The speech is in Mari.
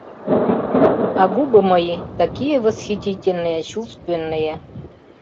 — А губы мои такие восхитительные... чувственные...